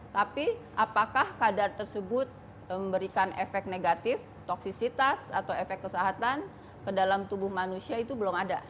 tapi apakah kadar tersebut memberikan efek negatif toksisitas atau efek kesehatan ke dalam tubuh manusia itu belum ada